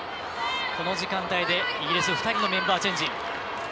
この時間帯でイギリス２人のメンバーチェンジ。